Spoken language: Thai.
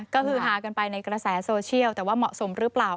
ก็คือฮากันไปในกระแสโซเชียลแต่ว่าเหมาะสมหรือเปล่า